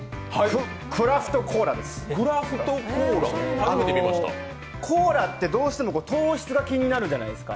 クラフトコーラです、コーラってどうしても糖質が気になるじゃないですか。